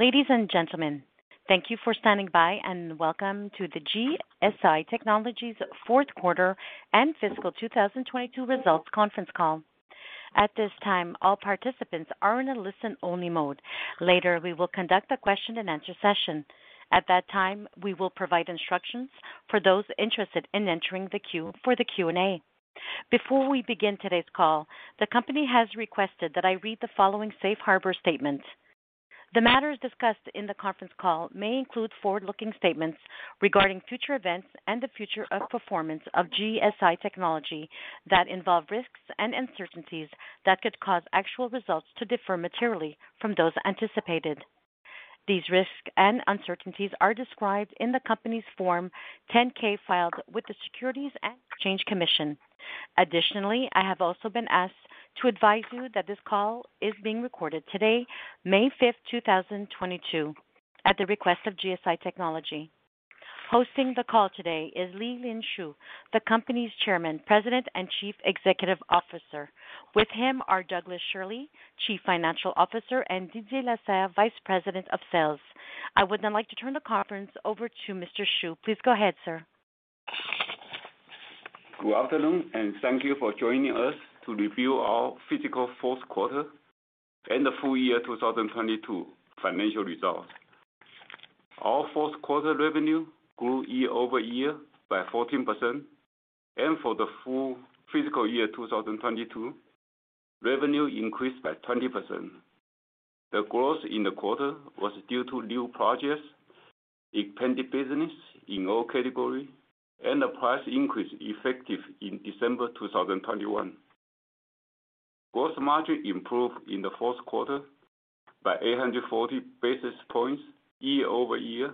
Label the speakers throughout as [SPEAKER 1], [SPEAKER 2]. [SPEAKER 1] Ladies and gentlemen, thank you for standing by, and welcome to the GSI Technology's fourth quarter and fiscal 2022 results conference call. At this time, all participants are in a listen-only mode. Later, we will conduct a question-and-answer session. At that time, we will provide instructions for those interested in entering the queue for the Q&A. Before we begin today's call, the company has requested that I read the following safe harbor statement. The matters discussed in the conference call may include forward-looking statements regarding future events and the future of performance of GSI Technology that involve risks and uncertainties that could cause actual results to differ materially from those anticipated. These risks and uncertainties are described in the company's Form 10-K filed with the Securities and Exchange Commission. Additionally, I have also been asked to advise you that this call is being recorded today, May fifth, two thousand twenty-two, at the request of GSI Technology. Hosting the call today is Lee-Lean Shu, the company's chairman, president, and chief executive officer. With him are Douglas Schirle, Chief Financial Officer, and Didier Lasserre, Vice President of Sales. I would now like to turn the conference over to Mr. Shu. Please go ahead, sir.
[SPEAKER 2] Good afternoon, and thank you for joining us to review our fiscal fourth quarter and the full year 2022 financial results. Our fourth quarter revenue grew year-over-year by 14%, and for the full fiscal year 2022, revenue increased by 20%. The growth in the quarter was due to new projects, expanded business in all categories, and the price increase effective in December 2021. Gross margin improved in the fourth quarter by 840 basis points year-over-year,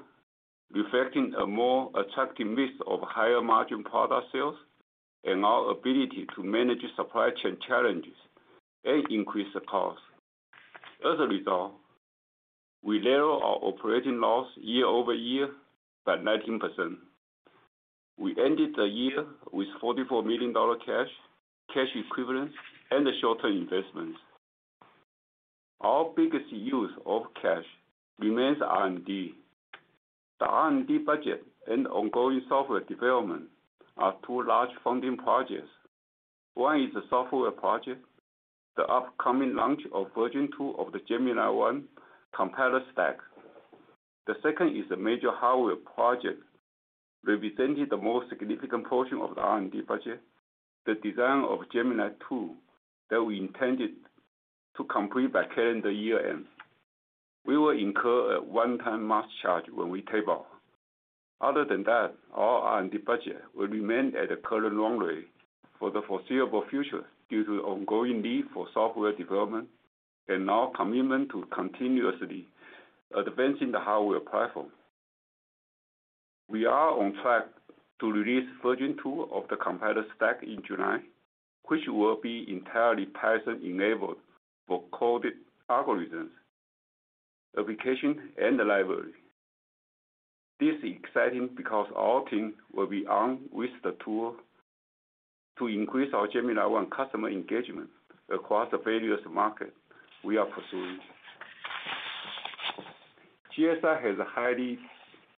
[SPEAKER 2] reflecting a more attractive mix of higher margin product sales and our ability to manage supply chain challenges and increased costs. As a result, we narrowed our operating loss year-over-year by 19%. We ended the year with $44 million cash equivalents, and short-term investments. Our biggest use of cash remains R&D. The R&D budget and ongoing software development are two large funding projects. One is a software project, the upcoming launch of version two of the Gemini-I compiler stack. The second is a major hardware project, representing the most significant portion of the R&D budget, the design of Gemini-II that we intended to complete by calendar year end. We will incur a one-time mask charge when we tape-out. Other than that, our R&D budget will remain at the current runway for the foreseeable future due to ongoing need for software development and our commitment to continuously advancing the hardware platform. We are on track to release version two of the compiler stack in July, which will be entirely Python-enabled for coded algorithms, application, and the library. This is exciting because our team will be armed with the tool to increase our Gemini-I customer engagement across the various markets we are pursuing. GSI has a highly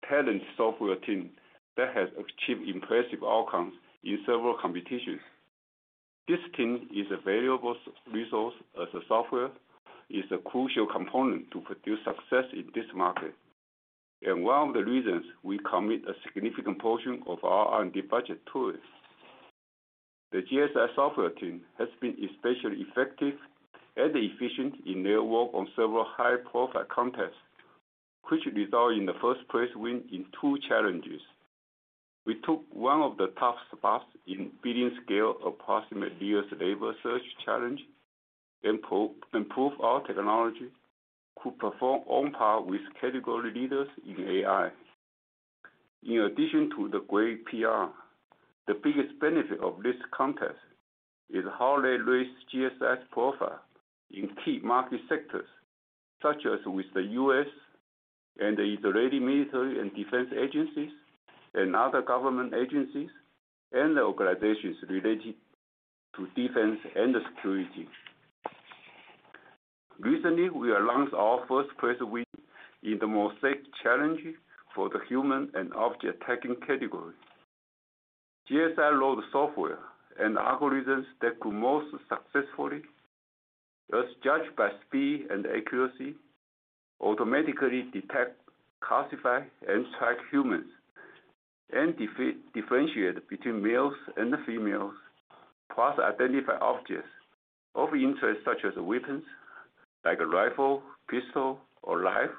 [SPEAKER 2] talented software team that has achieved impressive outcomes in several competitions. This team is a valuable resource as the software is a crucial component to produce success in this market and one of the reasons we commit a significant portion of our R&D budget to it. The GSI software team has been especially effective and efficient in their work on several high-profile contests, which result in the first-place win in two challenges. We took one of the top spots in Billion-Scale Approximate Nearest Neighbor Search Challenge and proved our technology could perform on par with category leaders in AI. In addition to the great PR, the biggest benefit of this contest is how they raise GSI's profile in key market sectors such as with the U.S. and the Israeli military and defense agencies and other government agencies and the organizations related to defense and security. Recently, we announced our first place win in the MoSAIC Challenge for the human and object tracking category. GSI wrote software and algorithms that could most successfully, as judged by speed and accuracy, automatically detect, classify, and track humans and differentiate between males and females, plus identify objects of interest such as weapons like a rifle, pistol or knife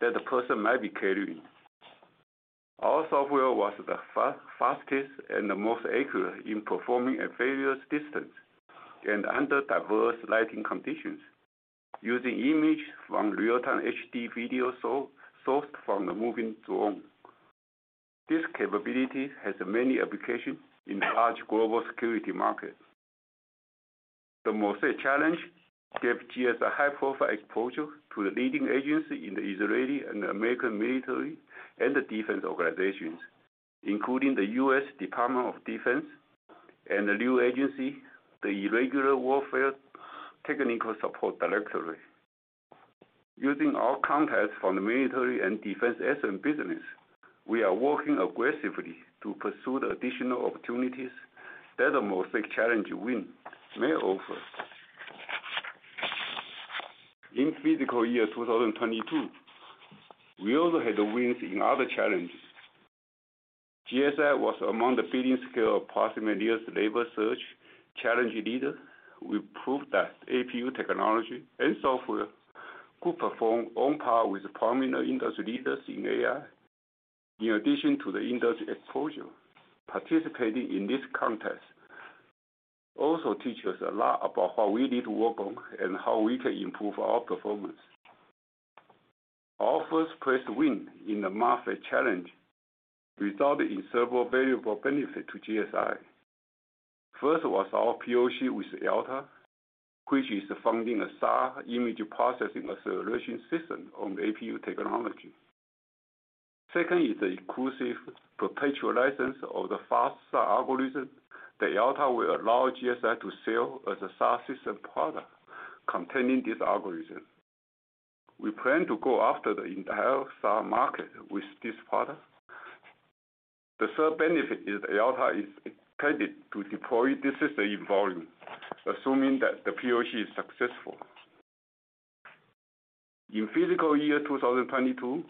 [SPEAKER 2] that the person might be carrying. Our software was the fastest and the most accurate in performing at various distance and under diverse lighting conditions using image from real-time HD video sourced from the moving drone. This capability has many applications in the large global security market. The MoSAIC Challenge gave GSI high-profile exposure to the leading agency in the Israeli and American military and the defense organizations, including the US Department of Defense. The new agency, the Irregular Warfare Technical Support Directorate. Using our contacts from the military and defense SRAM business, we are working aggressively to pursue the additional opportunities that the MoSAIC challenge win may offer. In fiscal year 2022, we also had wins in other challenges. GSI was among the billion-scale Approximate Nearest Neighbor Search Challenge leaders. We proved that APU technology and software could perform on par with prominent industry leaders in AI. In addition to the industry exposure, participating in this contest also teach us a lot about what we need to work on and how we can improve our performance. Our first prize win in the MoSAIC challenge resulted in several valuable benefits to GSI. First was our POC with Elta, which is funding a SAR image processing acceleration system on APU technology. Second is the exclusive perpetual license of the Fast SAR algorithm. Elta will allow GSI to sell a SAR system product containing this algorithm. We plan to go after the entire SAR market with this product. The third benefit is Elta is excited to deploy this system in volume, assuming that the POC is successful. In fiscal year 2022,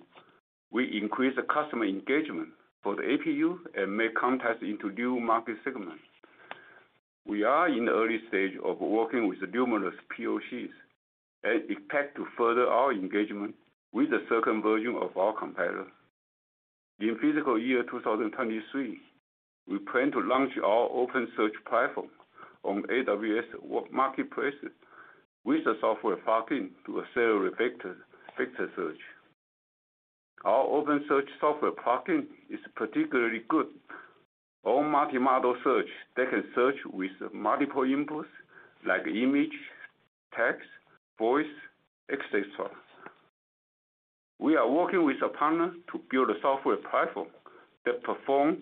[SPEAKER 2] we increased the customer engagement for the APU and made contacts into new market segments. We are in the early stage of working with numerous POCs and expect to further our engagement with a second version of our compiler. In fiscal year 2023, we plan to launch our OpenSearch platform on AWS Marketplace with a software plugin to accelerate vector search. Our OpenSearch software plugin is particularly good at all multi-modal search that can search with multiple inputs like image, text, voice, et cetera. We are working with a partner to build a software platform that performs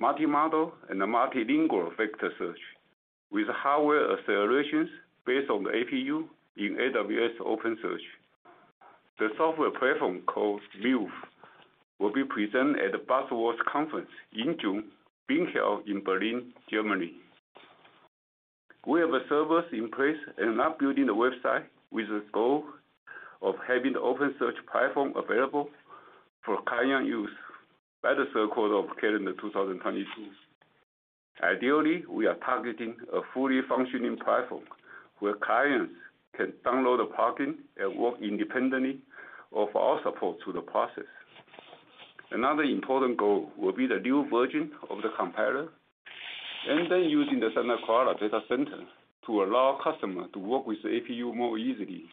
[SPEAKER 2] multi-modal and multilingual vector search with hardware acceleration based on the APU in AWS OpenSearch. The software platform, called View, will be presented at the Berlin Buzzwords Conference in June, being held in Berlin, Germany. We have a server in place and are building the website with the goal of having the OpenSearch platform available for client use by the third quarter of calendar 2022. Ideally, we are targeting a fully functioning platform where clients can download a plugin and work independently of our support through the process. Another important goal will be the new version of the compiler, and then using the Santa Clara data center to allow customers to work with the APU more easily.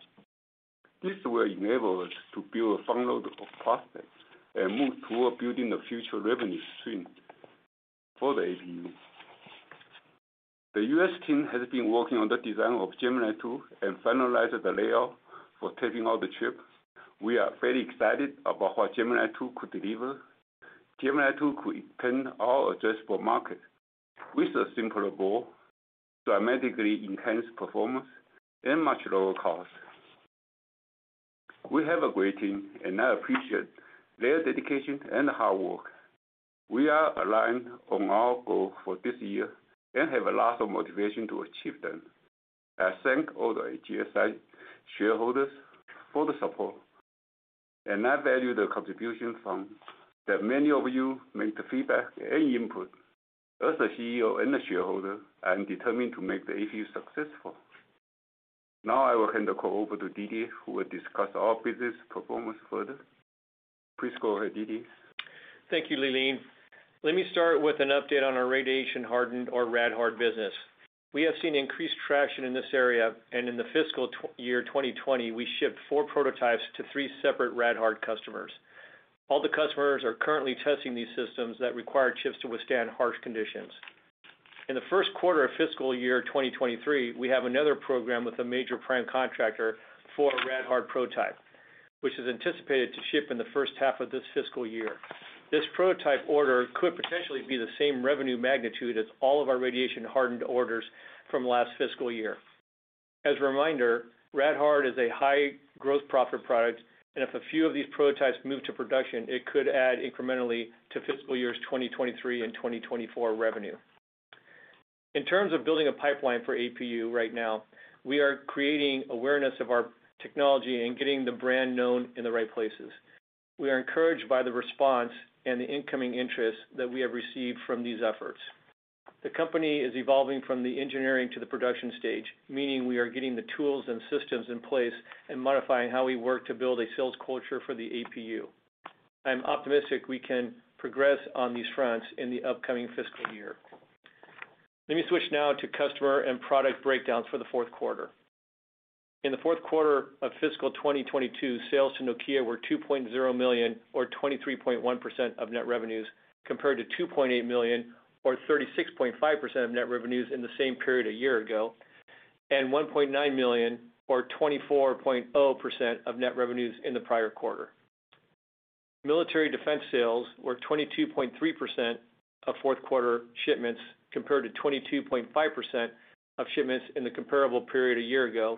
[SPEAKER 2] This will enable us to build a funnel of prospects and move toward building a future revenue stream for the APU. The U.S. team has been working on the design of Gemini-II and finalized the layout for tape-out the chip. We are very excited about what Gemini-II could deliver. Gemini-II could extend our addressable market with a simpler board, dramatically enhanced performance, and much lower cost. We have a great team, and I appreciate their dedication and hard work. We are aligned on our goal for this year and have a lot of motivation to achieve them. I thank all the GSI shareholders for the support, and I value the contributions from many of you who make the feedback and input. As the CEO and a shareholder, I am determined to make the APU successful. Now I will hand the call over to Didier, who will discuss our business performance further. Please go ahead, Didier.
[SPEAKER 3] Thank you, Lee-Lean. Let me start with an update on our radiation hardened or Rad-Hard business. We have seen increased traction in this area, and in the fiscal year 2020, we shipped four prototypes to three separate Rad-Hard customers. All the customers are currently testing these systems that require chips to withstand harsh conditions. In the first quarter of fiscal year 2023, we have another program with a major prime contractor for a Rad-Hard prototype, which is anticipated to ship in the first half of this fiscal year. This prototype order could potentially be the same revenue magnitude as all of our radiation hardened orders from last fiscal year. As a reminder, Rad-Hard is a high growth profit product, and if a few of these prototypes move to production, it could add incrementally to fiscal years 2023 and 2024 revenue. In terms of building a pipeline for APU right now, we are creating awareness of our technology and getting the brand known in the right places. We are encouraged by the response and the incoming interest that we have received from these efforts. The company is evolving from the engineering to the production stage, meaning we are getting the tools and systems in place and modifying how we work to build a sales culture for the APU. I'm optimistic we can progress on these fronts in the upcoming fiscal year. Let me switch now to customer and product breakdowns for the fourth quarter. In the fourth quarter of fiscal 2022, sales to Nokia were $2.0 million or 23.1% of net revenues, compared to $2.8 million or 36.5% of net revenues in the same period a year ago, and $1.9 million or 24.0% of net revenues in the prior quarter. Military defense sales were 22.3% of fourth quarter shipments compared to 22.5% of shipments in the comparable period a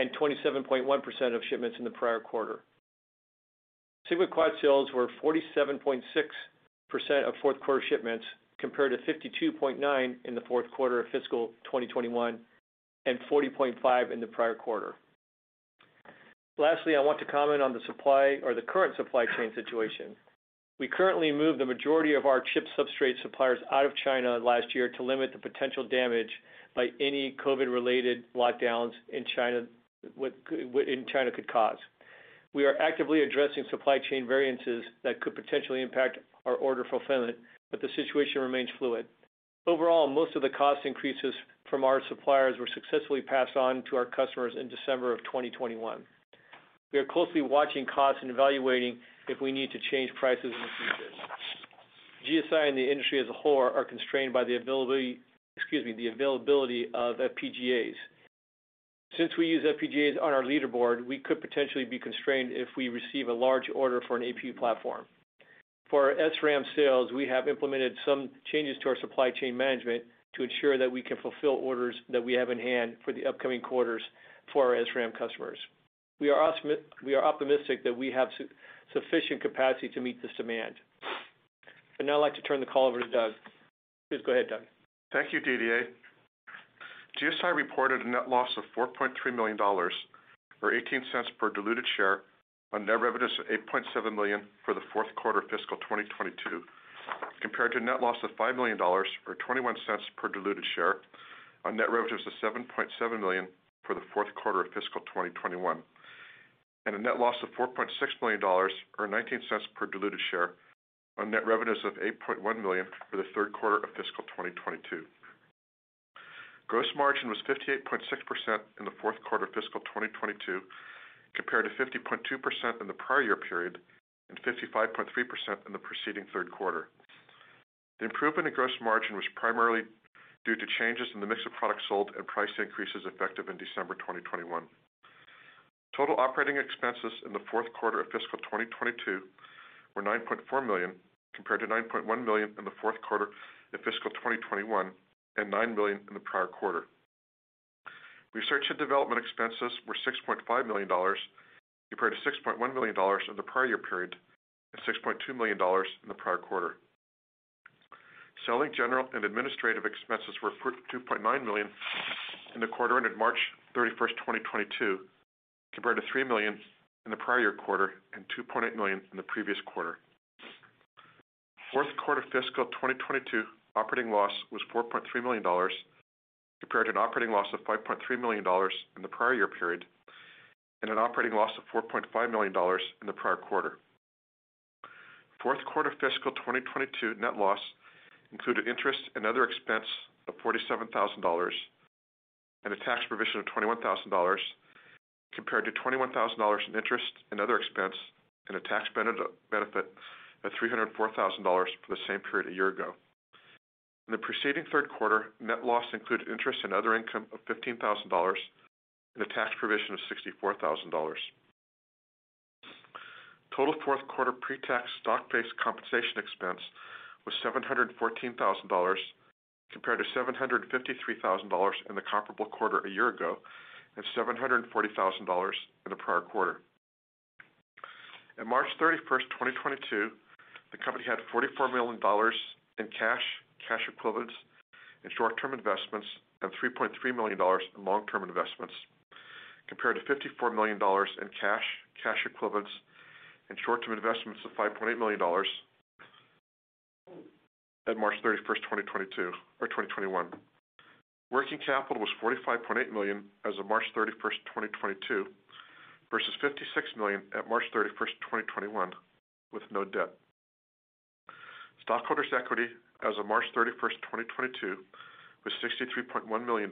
[SPEAKER 3] year ago, and 27.1% of shipments in the prior quarter. SigmaQuad sales were 47.6% of fourth quarter shipments compared to 52.9% in the fourth quarter of fiscal 2021, and 40.5% in the prior quarter. Lastly, I want to comment on the supply or the current supply chain situation. We currently moved the majority of our chip substrate suppliers out of China last year to limit the potential damage by any COVID related lockdowns in China which could cause. We are actively addressing supply chain variances that could potentially impact our order fulfillment, but the situation remains fluid. Overall, most of the cost increases from our suppliers were successfully passed on to our customers in December of 2021. We are closely watching costs and evaluating if we need to change prices in the future. GSI and the industry as a whole are constrained by the availability, excuse me, of FPGAs. Since we use FPGAs on our Leda board, we could potentially be constrained if we receive a large order for an APU platform. For our SRAM sales, we have implemented some changes to our supply chain management to ensure that we can fulfill orders that we have in hand for the upcoming quarters for our SRAM customers. We are optimistic that we have sufficient capacity to meet this demand. I'd now like to turn the call over to Doug. Please go ahead, Doug.
[SPEAKER 4] Thank you, Didier. GSI reported a net loss of $4.3 million, or $0.18 per diluted share on net revenues of $8.7 million for the fourth quarter of fiscal 2022, compared to a net loss of $5 million, or $0.21 per diluted share on net revenues of $7.7 million for the fourth quarter of fiscal 2021, and a net loss of $4.6 million, or $0.19 per diluted share on net revenues of $8.1 million for the third quarter of fiscal 2022. Gross margin was 58.6% in the fourth quarter of fiscal 2022, compared to 50.2% in the prior year period, and 55.3% in the preceding third quarter. The improvement in gross margin was primarily due to changes in the mix of products sold and price increases effective in December 2021. Total operating expenses in the fourth quarter of fiscal 2022 were $9.4 million, compared to $9.1 million in the fourth quarter of fiscal 2021 and $9 million in the prior quarter. Research and development expenses were $6.5 million, compared to $6.1 million in the prior year period, and $6.2 million in the prior quarter. Selling, general and administrative expenses were $2.9 million in the quarter ended March 31st, 2022, compared to $3 million in the prior year quarter and $2.8 million in the previous quarter. Fourth quarter fiscal 2022 operating loss was $4.3 million, compared to an operating loss of $5.3 million in the prior year period, and an operating loss of $4.5 million in the prior quarter. Fourth quarter fiscal 2022 net loss included interest and other expense of $47,000 and a tax provision of $21,000, compared to $21,000 in interest and other expense, and a tax benefit of $304,000 for the same period a year ago. In the preceding third quarter, net loss included interest and other income of $15,000 and a tax provision of $64,000. Total fourth quarter pre-tax stock-based compensation expense was $714 thousand, compared to $753 thousand in the comparable quarter a year ago, and $740 thousand in the prior quarter. On March 31st, 2022, the company had $44 million in cash equivalents and short-term investments, and $3.3 million in long-term investments, compared to $54 million in cash equivalents and short-term investments and $5.8 million at March 31st, 2021. Working capital was $45.8 million as of March 31st, 2022, versus $56 million at March 31st, 2021, with no debt. Stockholders' equity as of March 31st, 2022 was $63.1 million,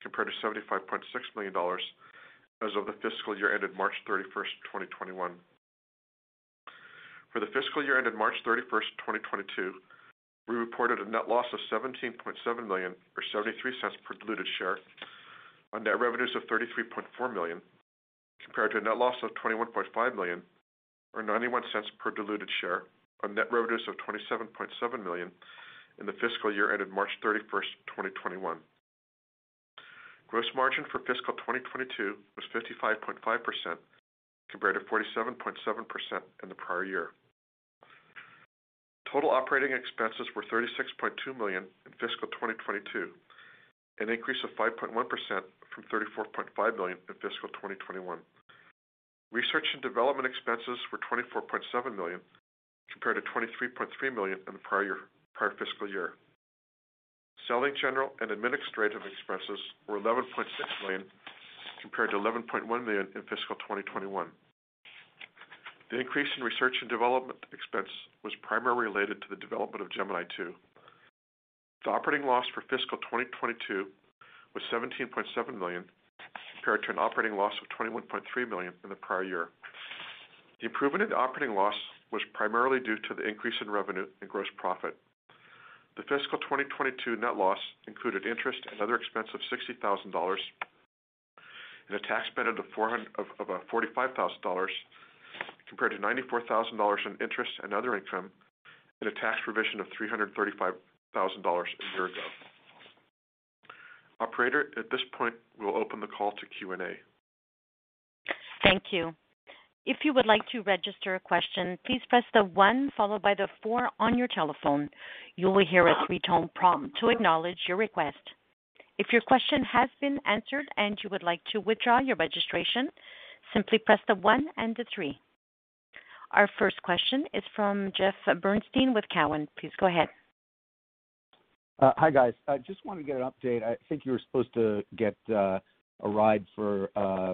[SPEAKER 4] compared to $75.6 million as of the fiscal year ended March 31st, 2021. For the fiscal year ended March 31st, 2022, we reported a net loss of $17.7 million or $0.73 per diluted share on net revenues of $33.4 million, compared to a net loss of $21.5 million or $0.91 per diluted share on net revenues of $27.7 million in the fiscal year ended March 31st, 2021. Gross margin for fiscal 2022 was 55.5%, compared to 47.7% in the prior year. Total operating expenses were $36.2 million in fiscal 2022, an increase of 5.1% from $34.5 million in fiscal 2021. Research and development expenses were $24.7 million, compared to $23.3 million in the prior fiscal year. Selling, general and administrative expenses were $11.6 million, compared to $11.1 million in fiscal 2021. The increase in research and development expense was primarily related to the development of Gemini-II. The operating loss for fiscal 2022 was $17.7 million, compared to an operating loss of $21.3 million in the prior year. The improvement in the operating loss was primarily due to the increase in revenue and gross profit. The fiscal 2022 net loss included interest and other expense of $60,000. A tax benefit of $45,000 compared to $94,000 in interest and other income and a tax provision of $335,000 a year ago. Operator, at this point, we'll open the call to Q&A.
[SPEAKER 1] Thank you. If you would like to register a question, please press the one followed by the four on your telephone. You will hear a three-tone prompt to acknowledge your request. If your question has been answered and you would like to withdraw your registration, simply press the one and the three. Our first question is from Jeff Bernstein with Cowen. Please go ahead.
[SPEAKER 5] Hi, guys. I just wanted to get an update. I think you were supposed to get a ride for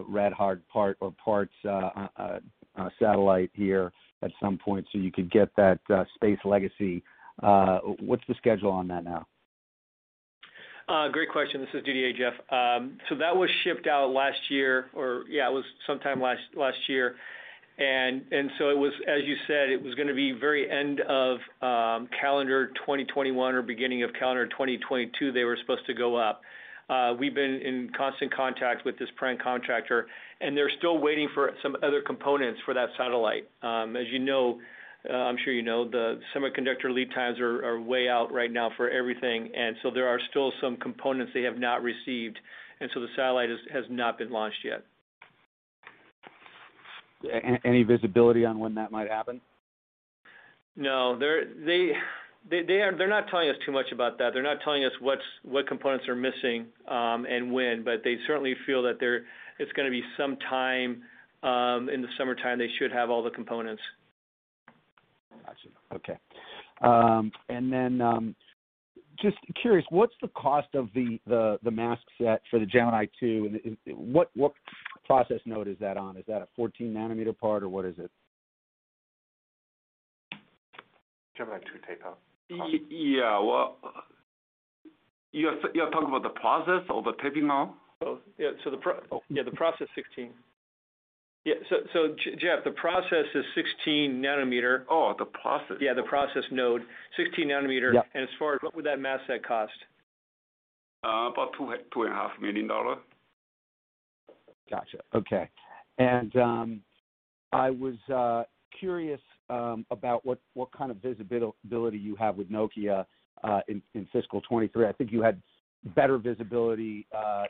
[SPEAKER 5] Rad-Hard part or parts satellite here at some point so you could get that space legacy. What's the schedule on that now?
[SPEAKER 3] Great question. This is Didier, Jeff. That was shipped out last year or, yeah, it was sometime last year. It was as you said, it was gonna be very end of calendar 2021 or beginning of calendar 2022, they were supposed to go up. We've been in constant contact with this prime contractor, and they're still waiting for some other components for that satellite. As you know, I'm sure you know, the semiconductor lead times are way out right now for everything, and so there are still some components they have not received, and so the satellite has not been launched yet.
[SPEAKER 5] Any visibility on when that might happen?
[SPEAKER 3] No. They're not telling us too much about that. They're not telling us what components are missing and when, but they certainly feel that it's gonna be some time in the summertime. They should have all the components.
[SPEAKER 5] Gotcha. Okay. Just curious, what's the cost of the mask set for the Gemini-II, and what process node is that on? Is that a 14 nanometer part, or what is it?
[SPEAKER 3] Gemini-II tape-out.
[SPEAKER 2] Yeah. Well, you're talking about the process or the tape-out now?
[SPEAKER 3] Oh, yeah. The process is 16 nanometer.
[SPEAKER 2] Oh, the process.
[SPEAKER 3] Yeah, the process node. 16 nanometer.
[SPEAKER 5] Yeah.
[SPEAKER 3] As far as what would that mask set cost?
[SPEAKER 2] About $2.5 million.
[SPEAKER 5] Gotcha. Okay. I was curious about what kind of visibility you have with Nokia in fiscal 2023. I think you had better visibility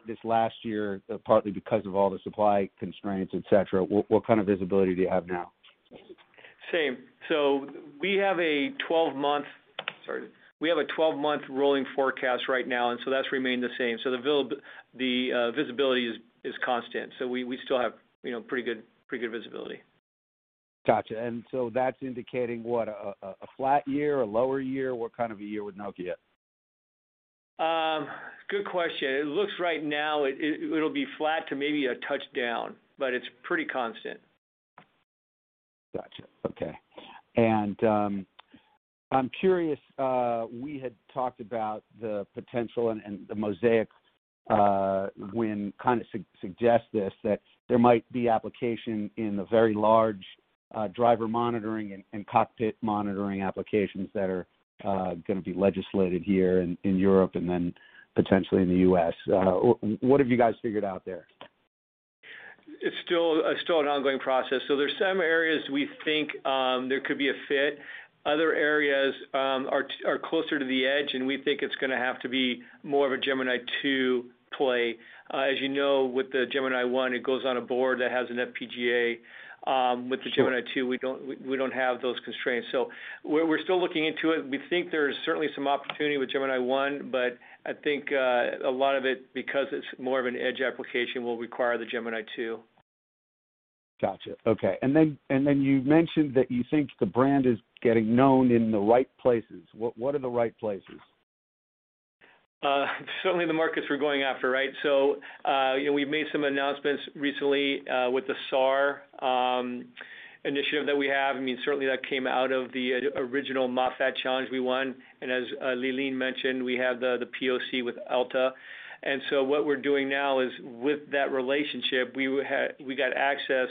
[SPEAKER 5] this last year partly because of all the supply constraints, etc. What kind of visibility do you have now?
[SPEAKER 3] Same. We have a 12-month rolling forecast right now, and that's remained the same. The visibility is constant. We still have, you know, pretty good visibility.
[SPEAKER 5] Gotcha. That's indicating what? A flat year? A lower year? What kind of a year with Nokia?
[SPEAKER 3] Good question. It looks right now it'll be flat to maybe a touchdown, but it's pretty constant.
[SPEAKER 5] Gotcha. Okay. I'm curious, we had talked about the potential and the MoSAIC win kind of suggest this, that there might be application in the very large driver monitoring and cockpit monitoring applications that are gonna be legislated here in Europe and then potentially in the U.S. What have you guys figured out there?
[SPEAKER 3] It's still an ongoing process. There's some areas we think there could be a fit. Other areas are closer to the edge, and we think it's gonna have to be more of a Gemini-II play. As you know, with the Gemini-I, it goes on a board that has an FPGA. With the Gemini-II, -
[SPEAKER 5] Sure.
[SPEAKER 3] We don't have those constraints. We're still looking into it. We think there's certainly some opportunity with Gemini-I, but I think a lot of it, because it's more of an edge application, will require the Gemini-II.
[SPEAKER 5] Gotcha. Okay. You mentioned that you think the brand is getting known in the right places. What are the right places?
[SPEAKER 3] Certainly the markets we're going after, right? You know, we've made some announcements recently with the SAR initiative that we have. I mean, certainly that came out of the original MoSAIC challenge we won. As Lee-Lean mentioned, we have the POC with Elta. What we're doing now is with that relationship, we got access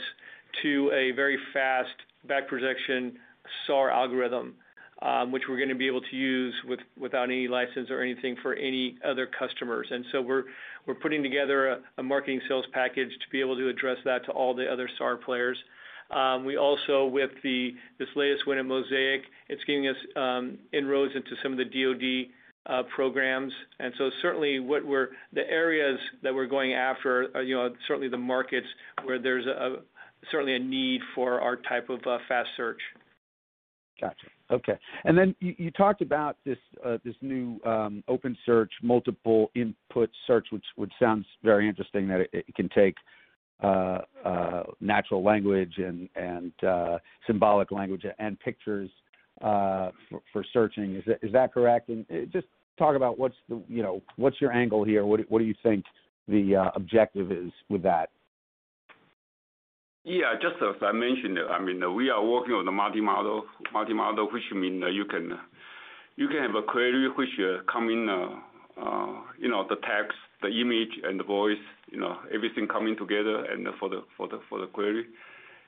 [SPEAKER 3] to a very fast back-projection SAR algorithm, which we're gonna be able to use without any license or anything for any other customers. We're putting together a marketing sales package to be able to address that to all the other SAR players. We also with this latest win at MoSAIC, it's giving us inroads into some of the DoD programs. Certainly the areas that we're going after are, you know, certainly the markets where there's certainly a need for our type of fast search.
[SPEAKER 5] Gotcha. Okay. Then you talked about this new OpenSearch multi-modal search, which sounds very interesting, that it can take natural language and symbolic language and pictures for searching. Is that correct? Just talk about what's your angle here, you know? What do you think the objective is with that?
[SPEAKER 2] Yeah, just as I mentioned, I mean, we are working on the multi-modal multi-model which mean you can have a query which come in, you know, the text, the image, and the voice, you know, everything coming together for the query.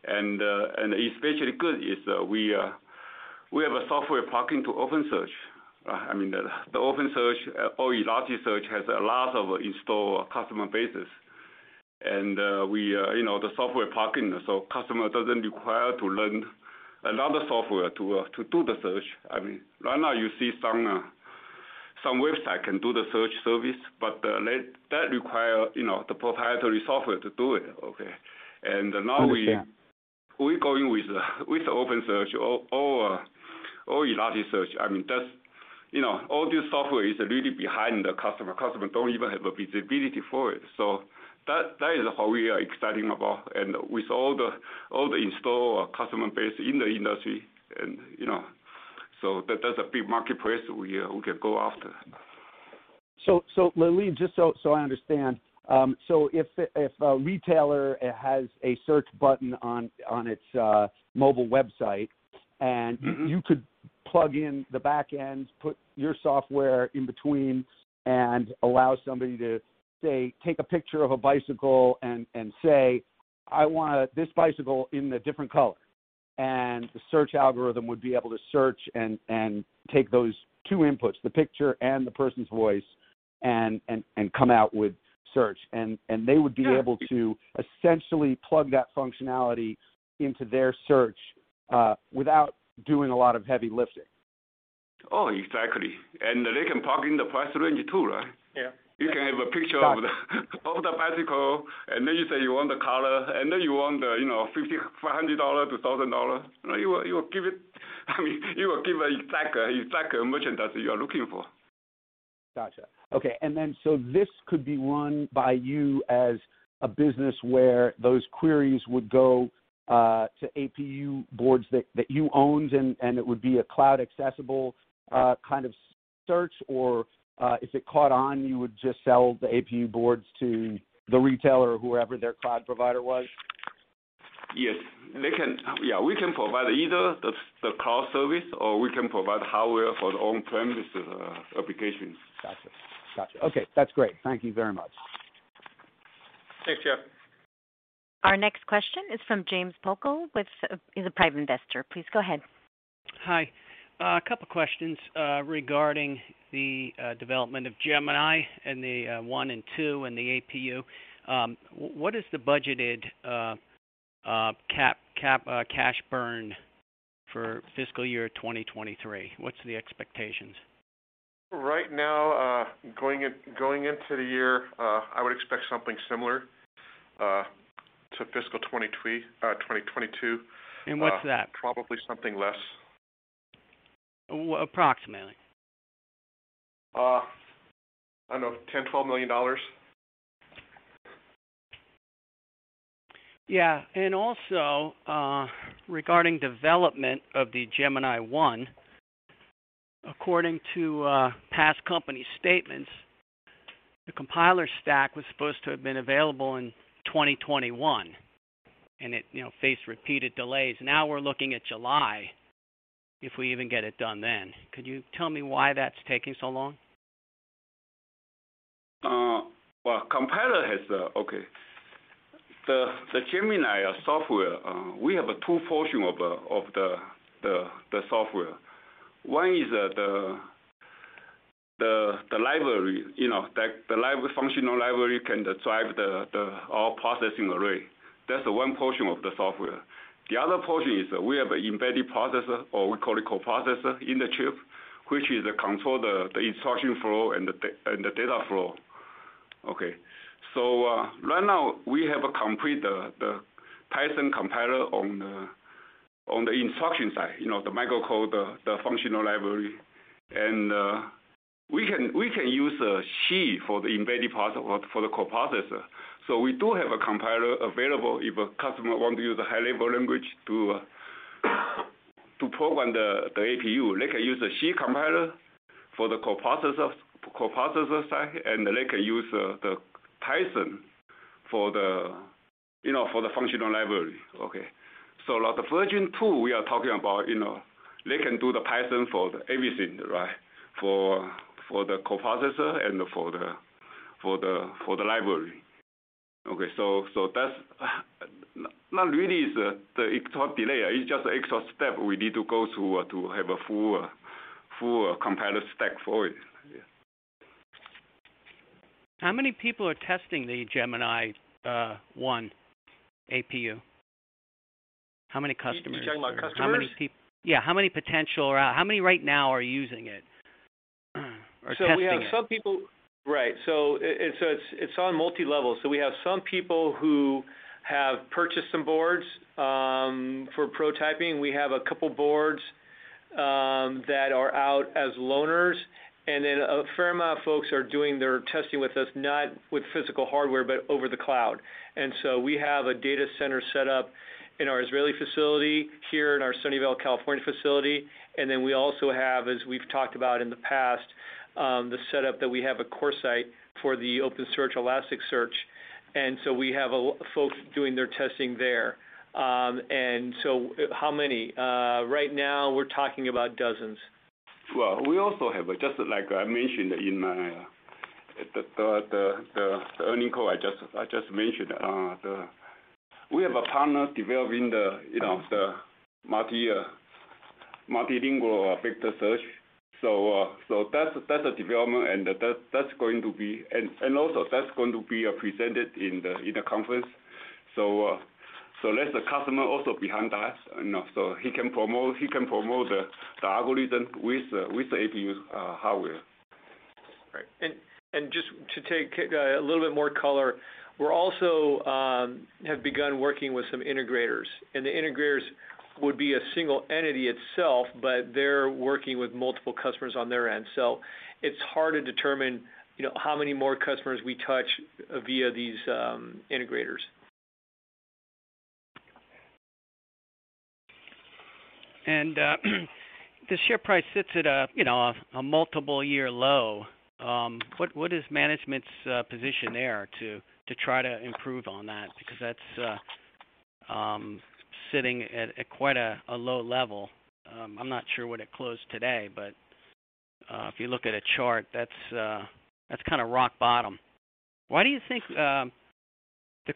[SPEAKER 2] Especially good is we have a software plugin for OpenSearch. I mean, the OpenSearch or Elasticsearch has a lot of installed customer base. We, you know, the software plugin, so customer doesn't require to learn another software to do the search. I mean, right now you see some websites can do the search service, but they require, you know, the proprietary software to do it, okay? Now we-
[SPEAKER 5] I see.
[SPEAKER 2] We're going with OpenSearch or Elasticsearch. I mean, that's, you know, all these software is really behind the customer. Customers don't even have a visibility for it. That is what we are excited about. With all the installed customer base in the industry and, you know, that's a big marketplace we can go after.
[SPEAKER 5] Lee-Lean, just so I understand. If a retailer has a search button on its mobile website, and you could plug in the back end, put your software in between and allow somebody to say, take a picture of a bicycle and say, "I want this bicycle in a different color." The search algorithm would be able to search and take those two inputs, the picture and the person's voice, and come out with search. They would be able to essentially plug that functionality into their search without doing a lot of heavy lifting.
[SPEAKER 2] Oh, exactly. They can plug in the price range too, right?
[SPEAKER 5] Yeah.
[SPEAKER 2] You can have a picture of the bicycle, and then you say you want the color, and then you want the, you know, $50, $100-$1,000. You give it. I mean, you will give exact merchandise that you are looking for.
[SPEAKER 5] Gotcha. Okay. This could be run by you as a business where those queries would go to APU boards that you owned, and it would be a cloud accessible kind of search? Or, if it caught on, you would just sell the APU boards to the retailer or whoever their cloud provider was?
[SPEAKER 2] Yes. Yeah, we can provide either the cloud service or we can provide hardware for the on-premise applications.
[SPEAKER 5] Gotcha. Okay, that's great. Thank you very much.
[SPEAKER 3] Thanks, Jeff.
[SPEAKER 1] Our next question is from James Pocal, who is a private investor. Please go ahead.
[SPEAKER 6] Hi. A couple questions regarding the development of Gemini and the one and two and the APU. What is the budgeted CapEx cash burn for fiscal year 2023? What's the expectations?
[SPEAKER 3] Right now, going into the year, I would expect something similar to fiscal 2023, 2022.
[SPEAKER 6] What's that?
[SPEAKER 3] Probably something less.
[SPEAKER 6] Well, approximately.
[SPEAKER 3] I know $10 million-$12 million.
[SPEAKER 6] Yeah. Also, regarding development of the Gemini-I, according to past company statements, the compiler stack was supposed to have been available in 2021, and it, you know, faced repeated delays. Now we're looking at July, if we even get it done then. Could you tell me why that's taking so long?
[SPEAKER 2] Well, compiler has. Okay. The Gemini software, we have two portion of the software. One is the library, you know. The library, functional library can drive the all processing array. That's the one portion of the software. The other portion is we have embedded processor, or we call it coprocessor, in the chip, which is control the instruction flow and the data flow. Okay. Right now we have complete the Python compiler on the instruction side, you know, the microcode, the functional library. We can use C for the embedded processor or for the coprocessor. We do have a compiler available if a customer want to use a high-level language to program the APU. They can use the C compiler for the coprocessor side, and they can use the Python for the functional library. Okay. On the version two we are talking about, you know, they can do the Python for everything, right? For the coprocessor and for the library. Okay. That's not really the extra delay. It's just extra step we need to go through to have a full compiler stack for it. Yeah.
[SPEAKER 6] How many people are testing the Gemini-I APU? How many customers?
[SPEAKER 2] You're talking about customers?
[SPEAKER 6] How many potential or how many right now are using it or testing it?
[SPEAKER 3] It's on multi-level. We have some people who have purchased some boards for prototyping. We have a couple boards that are out as loaners, and then a fair amount of folks are doing their testing with us, not with physical hardware, but over the cloud. We have a data center set up in our Israeli facility, here in our Sunnyvale, California facility. We also have, as we've talked about in the past, the setup that we have a CoreSite for the OpenSearch Elasticsearch. We have a lot of folks doing their testing there. How many? Right now we're talking about dozens.
[SPEAKER 2] Well, we also have, just like I mentioned in the earnings call, I mentioned. We have a partner developing, you know, the multilingual vector search. That's a development, and that's going to be presented in the conference. That's the customer also behind us, you know, so he can promote the algorithm with the APU's hardware.
[SPEAKER 3] Right. Just to take a little bit more color, we're also have begun working with some integrators, and the integrators would be a single entity itself, but they're working with multiple customers on their end. It's hard to determine, you know, how many more customers we touch via these integrators.
[SPEAKER 6] The share price sits at a, you know, a multi-year low. What is management's position there to try to improve on that? Because that's sitting at quite a low level. I'm not sure what it closed today, but if you look at a chart, that's kinda rock bottom. Why do you think the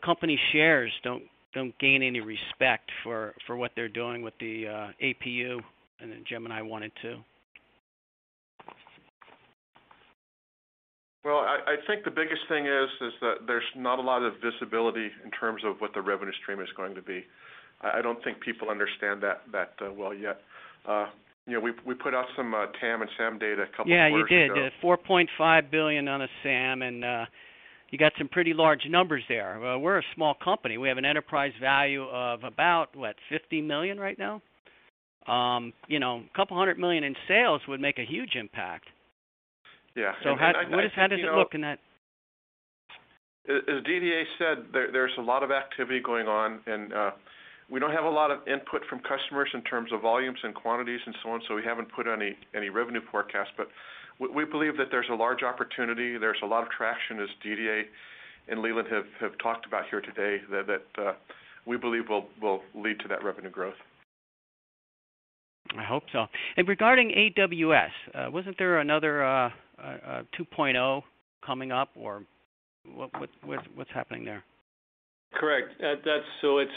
[SPEAKER 6] company shares don't gain any respect for what they're doing with the APU and the Gemini? What do you?
[SPEAKER 3] Well, I think the biggest thing is that there's not a lot of visibility in terms of what the revenue stream is going to be. I don't think people understand that yet. You know, we put out some TAM and SAM data a couple of quarters ago.
[SPEAKER 6] Yeah, you did. $4.5 billion on a SAM, and you got some pretty large numbers there. Well, we're a small company. We have an enterprise value of about, what? $50 million right now. You know, a couple 100 million in sales would make a huge impact.
[SPEAKER 3] Yeah. I think, you know.
[SPEAKER 6] How does it look in that?
[SPEAKER 4] As DDA said, there's a lot of activity going on, and we don't have a lot of input from customers in terms of volumes and quantities and so on, so we haven't put any revenue forecast. We believe that there's a large opportunity. There's a lot of traction, as DDA and Lee-Lean have talked about here today, that we believe will lead to that revenue growth.
[SPEAKER 6] I hope so. Regarding AWS, wasn't there another 2.0 coming up or what's happening there?
[SPEAKER 3] Correct. That's so, it's,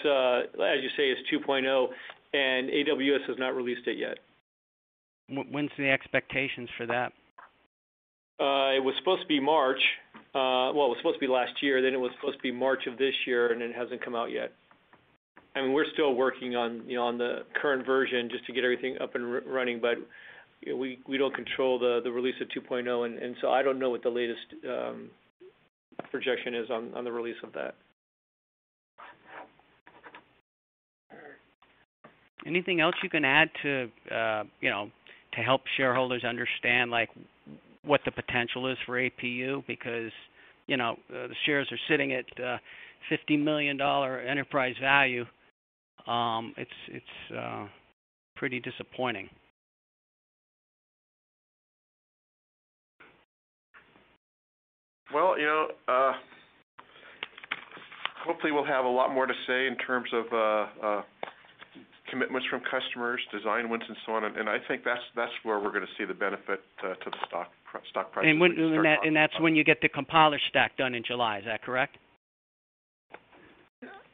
[SPEAKER 3] as you say, it's 2.0, and AWS has not released it yet.
[SPEAKER 6] When is the expectations for that?
[SPEAKER 3] It was supposed to be March. Well, it was supposed to be last year, then it was supposed to be March of this year, and it hasn't come out yet. We're still working on, you know, on the current version just to get everything up and running, but, you know, we don't control the release of 2.0, and so I don't know what the latest projection is on the release of that.
[SPEAKER 6] Anything else you can add to, you know, to help shareholders understand, like, what the potential is for APU? Because, you know, the shares are sitting at, $50 million enterprise value. It's pretty disappointing.
[SPEAKER 3] Well, you know, hopefully we'll have a lot more to say in terms of commitments from customers, design wins and so on. I think that's where we're gonna see the benefit to the stock prices when you start talking about-
[SPEAKER 6] That's when you get the compiler stack done in July. Is that correct?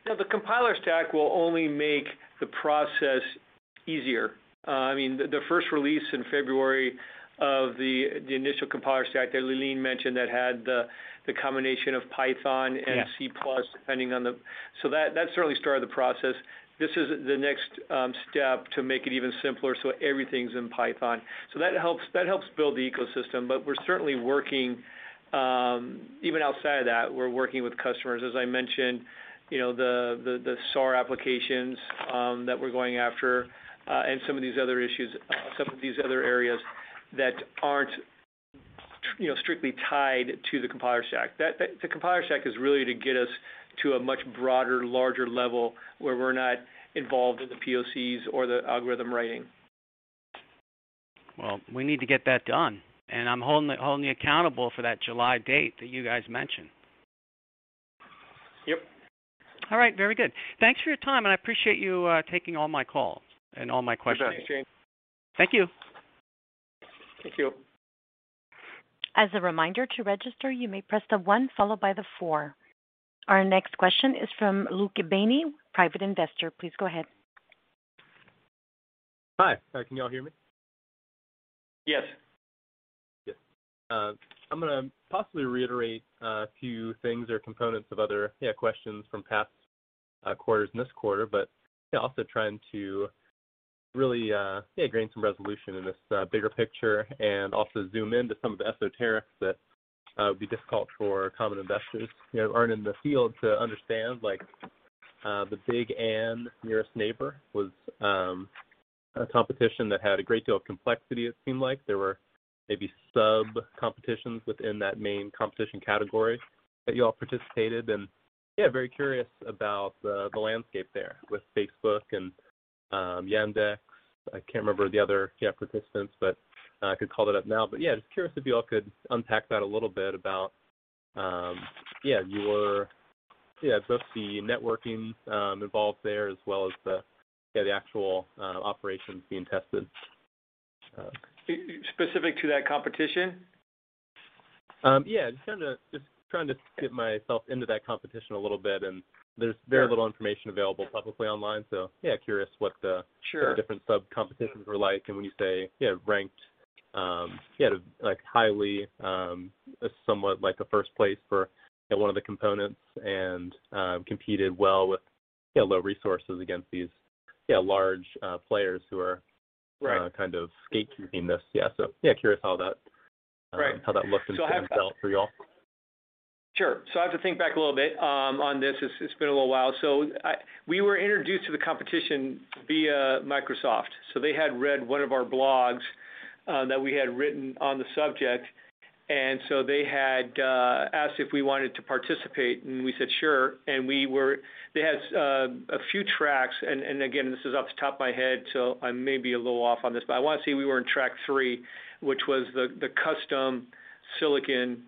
[SPEAKER 3] No, the compiler stack will only make the process easier. I mean, the first release in February of the initial compiler stack that Lee-Lean mentioned that had the combination of Python-
[SPEAKER 6] Yeah.
[SPEAKER 3] C++, depending on the, that certainly started the process. This is the next step to make it even simpler, so everything's in Python. That helps build the ecosystem. We're certainly working, even outside of that, we're working with customers. As I mentioned, you know, the SAR applications that we're going after, and some of these other areas that aren't, you know, strictly tied to the compiler stack. The compiler stack is really to get us to a much broader, larger level where we're not involved in the POCs or the algorithm writing.
[SPEAKER 6] Well, we need to get that done, and I'm holding you accountable for that July date that you guys mentioned.
[SPEAKER 3] Yep.
[SPEAKER 6] All right. Very good. Thanks for your time, and I appreciate you taking all my calls and all my questions.
[SPEAKER 3] You bet, James.
[SPEAKER 6] Thank you.
[SPEAKER 2] Thank you.
[SPEAKER 1] As a reminder, to register, you may press the one followed by the four. Our next question is from Luke Ebany, private investor. Please go ahead.
[SPEAKER 7] Hi. Can y'all hear me?
[SPEAKER 3] Yes.
[SPEAKER 7] Good. I'm gonna possibly reiterate a few things or components of other questions from past quarters and this quarter, but also trying to really gain some resolution in this bigger picture and also zoom in to some of the esoterics that would be difficult for common investors, you know, who aren't in the field to understand, like the billion nearest neighbor was a competition that had a great deal of complexity, it seemed like. There were maybe sub-competitions within that main competition category that you all participated in. Very curious about the landscape there with Facebook and Yandex. I can't remember the other participants, but I could call that up now. Just curious if you all could unpack that a little bit about your both the networking involved there as well as the actual operations being tested?
[SPEAKER 3] Specific to that competition?
[SPEAKER 7] Yeah, just trying to get myself into that competition a little bit, and there's very little information available publicly online. Yeah, curious what the-
[SPEAKER 3] Sure.
[SPEAKER 7] Different sub-competitions were like, and when you say, yeah, ranked, yeah, like highly, somewhat like a first place for one of the components and, competed well with, yeah, low resources against these, yeah, large, players who are.
[SPEAKER 3] Right.
[SPEAKER 7] Kind of gatekeeping this. Yeah. Yeah, curious how that.
[SPEAKER 3] Right.
[SPEAKER 7] How that looked and felt for you all.
[SPEAKER 3] Sure. I have to think back a little bit on this. It's been a little while. We were introduced to the competition via Microsoft. They had read one of our blogs that we had written on the subject, and so they had asked if we wanted to participate, and we said, sure. They had a few tracks, and again, this is off the top of my head, so I may be a little off on this, but I want to say we were in track three, which was the custom silicon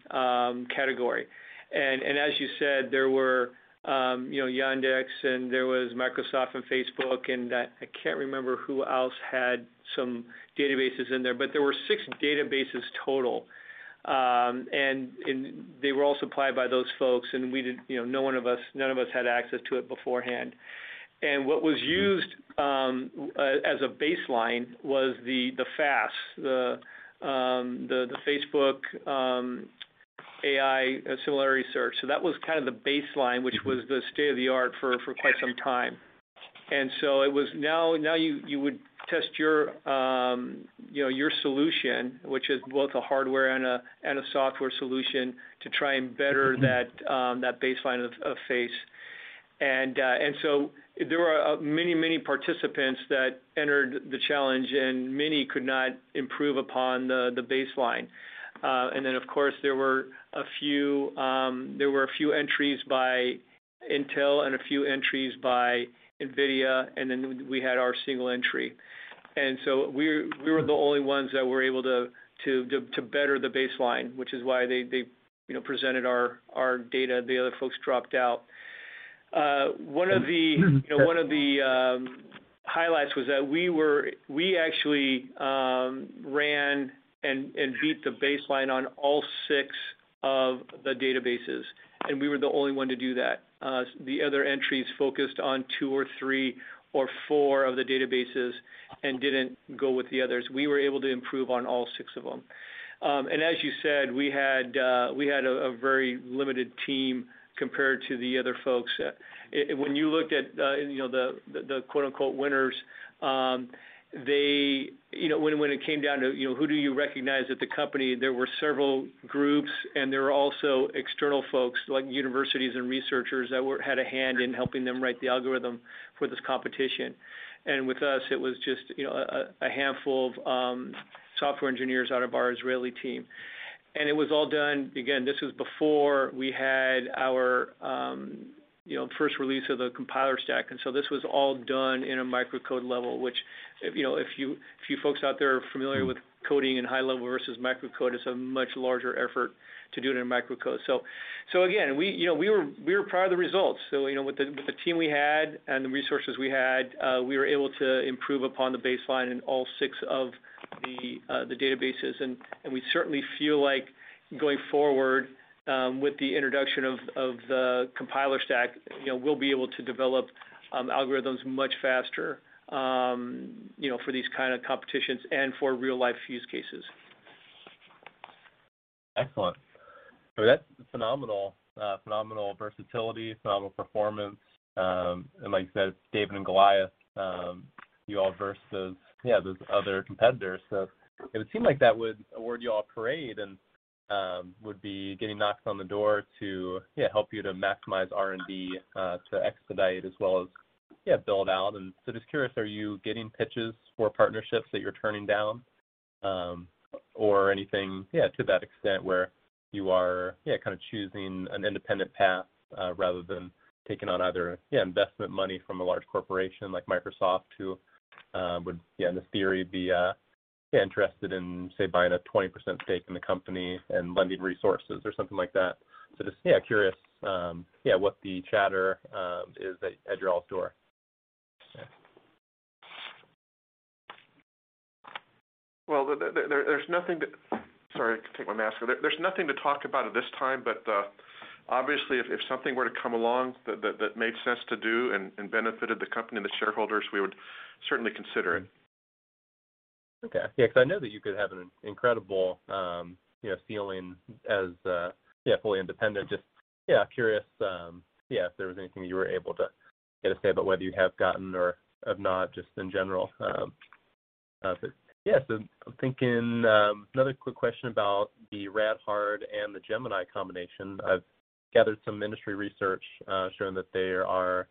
[SPEAKER 3] category. As you said, there were, you know, Yandex, and there was Microsoft and Facebook, and I can't remember who else had some databases in there, but there were six databases total. They were all supplied by those folks, and we didn't, you know, none of us had access to it beforehand. What was used as a baseline was the FAISS, the Facebook AI similarity search. That was kind of the baseline, which was the state-of-the-art for quite some time. Now you would test your, you know, your solution, which is both a hardware and a software solution, to try and better that baseline of FAISS. There were many participants that entered the challenge, and many could not improve upon the baseline. Of course, there were a few entries by Intel and a few entries by NVIDIA, and then we had our single entry. We were the only ones that were able to better the baseline, which is why they, you know, presented our data. The other folks dropped out. One of the highlights was that we actually ran and beat the baseline on all six of the databases, and we were the only one to do that. The other entries focused on two or three or four of the databases and didn't go with the others. We were able to improve on all six of them. As you said, we had a very limited team compared to the other folks. And when you looked at, you know, the quote-unquote winners, they, you know, when it came down to, you know, who do you recognize at the company, there were several groups, and there were also external folks like universities and researchers that had a hand in helping them write the algorithm for this competition. With us, it was just, you know, a handful of software engineers out of our Israeli team. It was all done. Again, this was before we had our, you know, first release of the compiler stack. This was all done in a microcode level, which, you know, if you folks out there are familiar with coding in high level versus microcode, it's a much larger effort to do it in microcode. We were proud of the results. You know, with the team we had and the resources we had, we were able to improve upon the baseline in all six of the databases. We certainly feel like going forward, with the introduction of the compiler stack, you know, we'll be able to develop algorithms much faster, you know, for these kind of competitions and for real-life use cases.
[SPEAKER 7] Excellent. That's phenomenal versatility, phenomenal performance. Like you said, it's David and Goliath, you all versus those other competitors. It would seem like that would afford you all a parade and would be getting knocks on the door to help you to maximize R&D, to expedite as well as build out. Just curious, are you getting pitches for partnerships that you're turning down, or anything to that extent where you are kind of choosing an independent path rather than taking on either investment money from a large corporation like Microsoft who would in this theory be interested in, say, buying a 20% stake in the company and lending resources or something like that. Just yeah, curious yeah, what the chatter is at your all's door. Yeah.
[SPEAKER 3] Sorry, I can take my mask off. There's nothing to talk about at this time, but obviously if something were to come along that made sense to do and benefited the company and the shareholders, we would certainly consider it.
[SPEAKER 7] Because I know that you could have an incredible, you know, ceiling as fully independent. Just curious if there was anything you were able to get a say about whether you have gotten or have not just in general. But yeah. I'm thinking another quick question about the Rad-Hard and the Gemini combination. I've gathered some industry research showing that there are,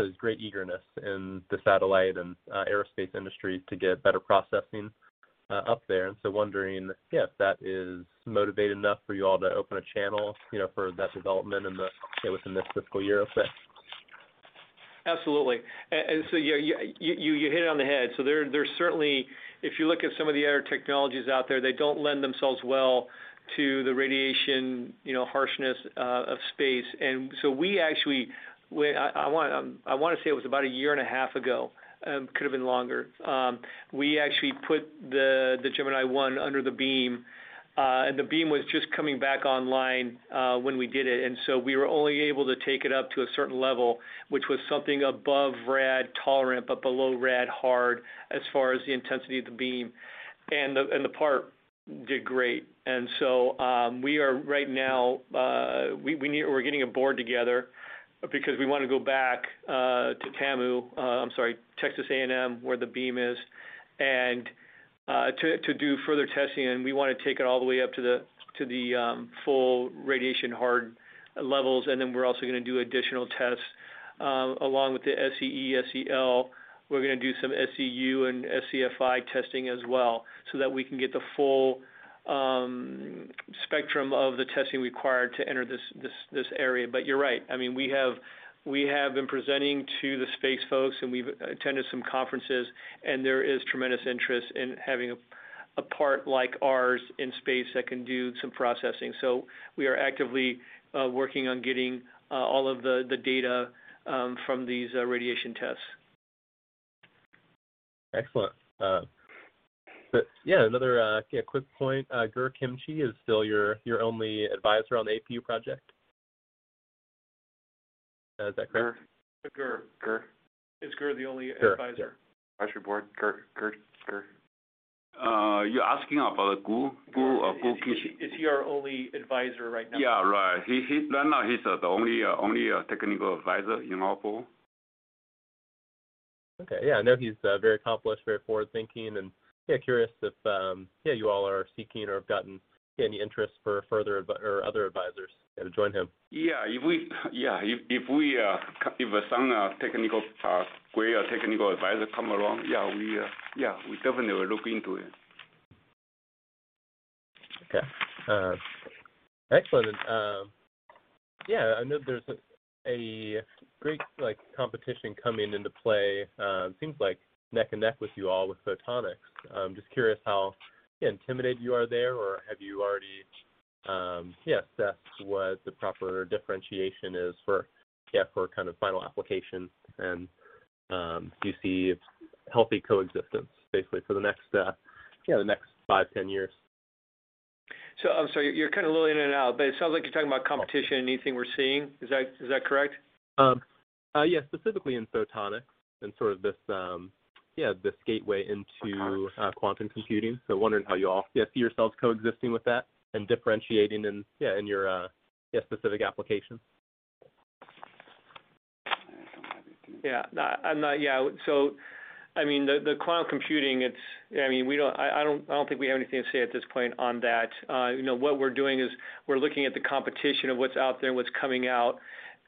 [SPEAKER 7] there's great eagerness in the satellite and aerospace industry to get better processing up there. Wondering if that is motivated enough for you all to open a channel, you know, for that development and, say, within this fiscal year or so.
[SPEAKER 3] Absolutely. Yeah, you hit it on the head. There's certainly. If you look at some of the other technologies out there, they don't lend themselves well to the radiation, you know, harshness of space. We actually. I want to say it was about a year and a half ago, could have been longer. We actually put the Gemini-I under the beam, and the beam was just coming back online when we did it. We were only able to take it up to a certain level, which was something above rad-tolerant but below rad-hard as far as the intensity of the beam. The part did great. We are right now, we need—we're getting a board together because we wanna go back to TAMU, I'm sorry, Texas A&M, where the beam is, and to do further testing. We wanna take it all the way up to the full radiation hard levels. Then we're also gonna do additional tests along with the SEE, SEL. We're gonna do some SEU and SEFI testing as well, so that we can get the full spectrum of the testing required to enter this area. You're right. I mean, we have been presenting to the space folks, and we've attended some conferences, and there is tremendous interest in having a part like ours in space that can do some processing. We are actively working on getting all of the data from these radiation tests.
[SPEAKER 7] Excellent. Yeah, another quick point. Gur Kimchi is still your only advisor on the APU project? Is that correct?
[SPEAKER 3] Gur.
[SPEAKER 7] Gur. Is Gur the only advisor?
[SPEAKER 3] Advisory board. Gur.
[SPEAKER 2] You're asking about Gur Kimchi.
[SPEAKER 3] Is he our only advisor right now?
[SPEAKER 2] Yeah, right. He's right now the only technical advisor in our board.
[SPEAKER 7] Okay. Yeah. I know he's very accomplished, very forward thinking. Yeah, curious if you all are seeking or have gotten any interest for further or other advisors to join him.
[SPEAKER 2] If some great technical advisor come along, we definitely will look into it.
[SPEAKER 7] Okay. Excellent. Yeah, I know there's a great, like, competition coming into play, seems like neck and neck with you all with photonics. I'm just curious how, yeah, intimidated you are there, or have you already, yeah, assessed what the proper differentiation is for, yeah, for kind of final application and, do you see a healthy coexistence basically for the next, you know, the next five, ten years?
[SPEAKER 3] I'm sorry, you're kind of a little in and out, but it sounds like you're talking about competition and anything we're seeing. Is that correct?
[SPEAKER 7] Yes, specifically in photonics and sort of this gateway into-
[SPEAKER 3] Photonics.
[SPEAKER 7] Quantum computing. Wondering how you all see yourselves coexisting with that and differentiating in your specific application?
[SPEAKER 3] Yeah. I'm not, yeah. So I mean, the quantum computing, it's. I mean, I don't think we have anything to say at this point on that. You know, what we're doing is we're looking at the competition of what's out there and what's coming out.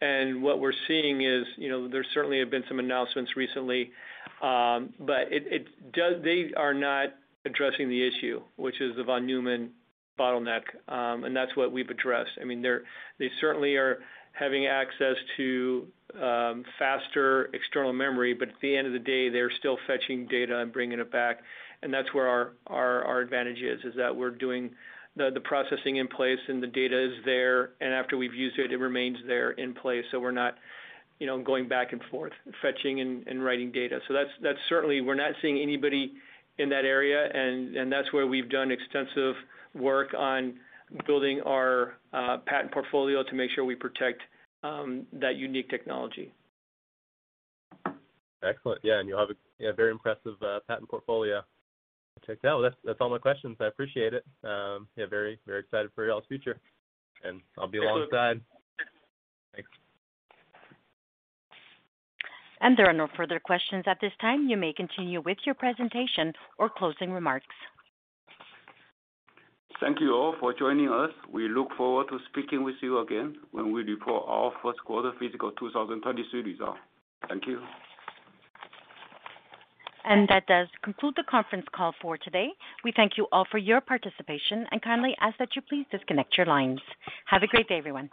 [SPEAKER 3] What we're seeing is, you know, there certainly have been some announcements recently, but they are not addressing the issue, which is the von Neumann bottleneck, and that's what we've addressed. I mean, they certainly are having access to faster external memory, but at the end of the day, they're still fetching data and bringing it back, and that's where our advantage is, that we're doing the processing in place and the data is there, and after we've used it remains there in place, so we're not, you know, going back and forth fetching and writing data. That's certainly we're not seeing anybody in that area, and that's where we've done extensive work on building our patent portfolio to make sure we protect that unique technology.
[SPEAKER 7] Excellent. Yeah, you have a yeah, very impressive patent portfolio checked out. That's all my questions. I appreciate it. Yeah, very, very excited for y'all's future, and I'll be alongside. Thanks.
[SPEAKER 1] There are no further questions at this time. You may continue with your presentation or closing remarks.
[SPEAKER 2] Thank you all for joining us. We look forward to speaking with you again when we report our first quarter fiscal 2023 result. Thank you.
[SPEAKER 1] That does conclude the conference call for today. We thank you all for your participation and kindly ask that you please disconnect your lines. Have a great day, everyone.